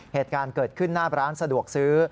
เหตุการณ์เกิดขึ้นหน้าร้านสะดวกซื้อ